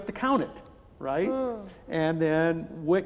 pertama kita harus mengukurnya